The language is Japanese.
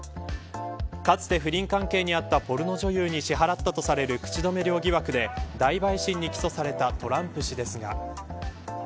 かつて不倫関係にあったポルノ女優に支払ったとされる口止め料疑惑で大陪審に起訴されたトランプ氏ですが。